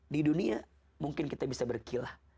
di dunia mungkin kita bisa berkilah